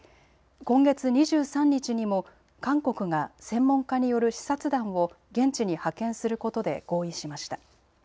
今月２３日にも韓国が専門家による視察団を現地に派遣することで合意しました。